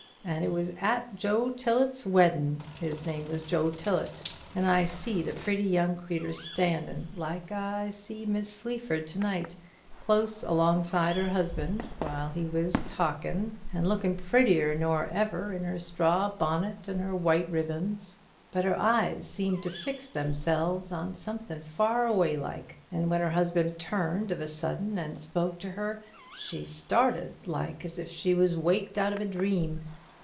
And I was at Joe Tillet's weddin', his name was Joe Tillet, and I see the pretty young creetur standin', like as I saw Miss Sleaford to night, close alongside her husband while he was talkin', and lookin' prettier nor ever in her straw bonnet and white ribands; but her eyes seemed to fix themselves on somethin' far away like; and when her husband turned of a sudden and spoke to her, she started, like as if she was waked out of a dream.